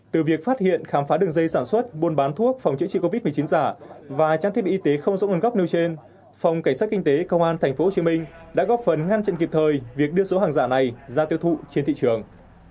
từ việc phát hiện khám phá đường dây sản xuất buôn bán thuốc phòng chữa trị covid một mươi chín giả và trang thiết bị y tế không rõ nguồn gốc nêu trên phòng cảnh sát kinh tế công an tp hcm đã góp phần ngăn chặn kịp thời việc đưa số hàng giả này ra tiêu thụ trên thị trường